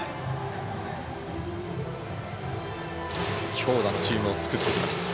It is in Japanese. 強打のチームを作ってきました。